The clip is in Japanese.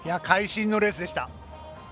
改心のレースでした。